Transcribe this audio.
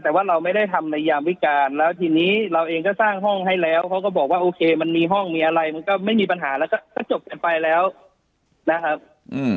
แต่ว่าเราไม่ได้ทำในยามวิการแล้วทีนี้เราเองก็สร้างห้องให้แล้วเขาก็บอกว่าโอเคมันมีห้องมีอะไรมันก็ไม่มีปัญหาแล้วก็จบกันไปแล้วนะครับ